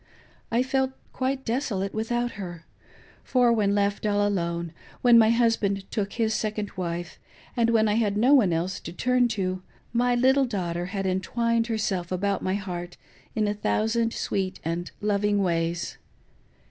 I felt quite desolate without her ; for when left all alone, when my husband took his second wife, and when I had no one else to turn to, my little dafUghter had entwined herself about my heart in a thousand sweet and loving ways.